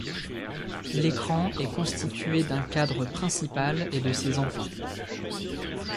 L'écran est constitué d'un cadre principal et de ses enfants.